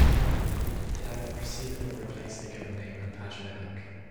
It either preceded or replaced the given name and patronymic.